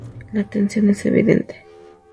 La tensión es evidente.